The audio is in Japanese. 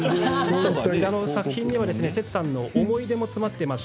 作品にはセツさんの思い出も詰まっています。